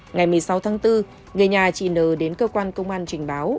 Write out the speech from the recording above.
ngày một mươi sáu tháng bốn người nhà chị n đến cơ quan công an trình báo